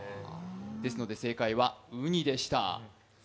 ですので正解はウニでした。